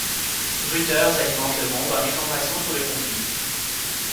Reuters alimente le monde en informations sur le conflit.